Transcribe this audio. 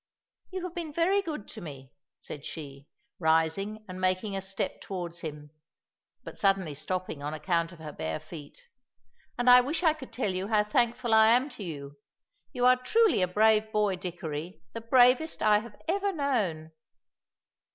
"You have been very good to me," said she, rising and making a step towards him, but suddenly stopping on account of her bare feet, "and I wish I could tell you how thankful I am to you. You are truly a brave boy, Dickory; the bravest I have ever known."